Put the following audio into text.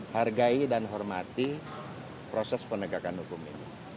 hargai dan hormati proses penegakan hukum ini